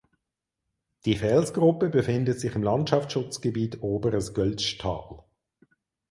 Die Felsgruppe befindet sich im Landschaftsschutzgebiet Oberes Göltzschtal.